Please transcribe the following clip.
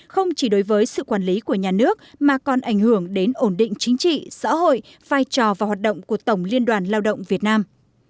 không chỉ đối với sự quản lý của nhà nước mà còn ảnh hưởng đến ổn định chính trị xã hội vai trò và hoạt động của tổng liên đoàn lao động việt nam